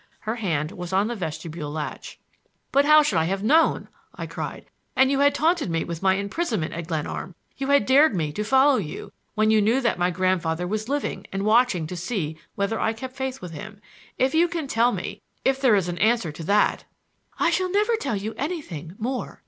Her hand was on the vestibule latch. "But how should I have known?" I cried. "And you had taunted me with my imprisonment at Glenarm; you had dared me to follow you, when you knew that my grandfather was living and watching to see whether I kept faith with him. If you can tell me,—if there an answer to that—" "I shall never tell you anything—more!